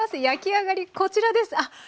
焼き上がりこちらです。